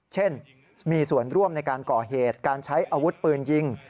เช่นมีส่วนร่วมในการก่อเหตุการใช้อาวุธปืนยิง